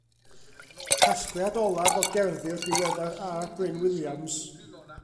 Casgliad olaf o gerddi'r diweddar R. Bryn Williams.